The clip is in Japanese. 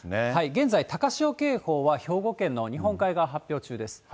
現在、高潮警報は、兵庫県の日本海側発表中です。